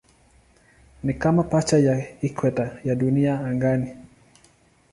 Ni kama pacha ya ikweta ya Dunia angani.